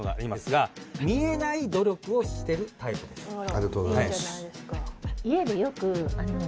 ありがとうございます。